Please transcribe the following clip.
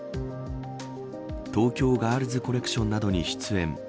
東京ガールズコレクションなどに出演。